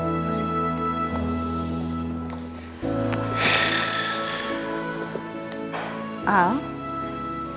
kalau kamu sampai selingkuh dari andin